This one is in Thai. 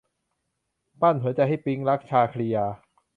ปั้นหัวใจให้ปิ๊งรัก - ชาครียา